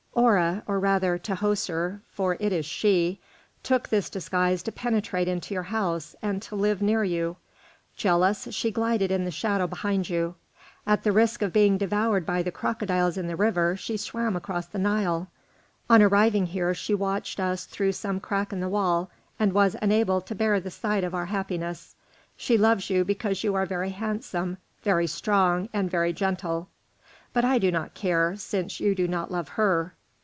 Hora or rather, Tahoser, for it is she took this disguise to penetrate into your house and to live near you; jealous, she glided in the shadow behind you; at the risk of being devoured by the crocodiles in the river she swam across the Nile. On arriving here she watched us through some crack in the wall, and was unable to bear the sight of our happiness. She loves you because you are very handsome, very strong, and very gentle. But I do not care, since you do not love her.